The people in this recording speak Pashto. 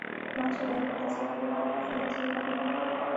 ما چي ویل فرانسوی دی، بیا یې په فرانسوي خبرې وکړې.